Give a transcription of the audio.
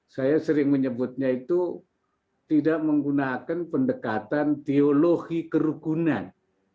saya sering menyebutnya itu tidak menggunakan pendekatan teologi kerugunan